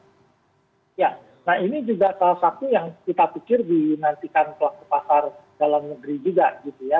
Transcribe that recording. ya nah ini juga salah satu yang kita pikir dinantikan pelaku pasar dalam negeri juga gitu ya